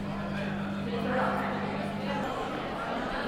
斷水流大師兄